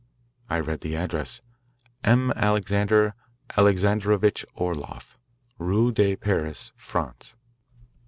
I read the address: "M. Alexander Alexandrovitch Orloff, Rue de , Paris, France."